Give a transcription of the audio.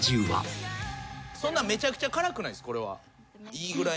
そんなんめちゃくちゃ辛くないっすこれは。